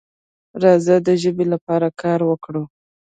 راځه د ژبې لپاره کار وکړو.